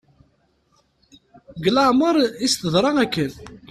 Deg leɛmer i as-teḍra akken.